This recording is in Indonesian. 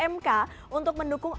mk untuk mendukung